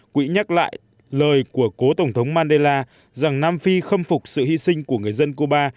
quỹ nhắc lại lời của cố tổng thống mandela rằng nam phi khâm phục sự hy sinh của người dân cuba